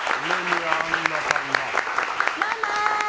ママ！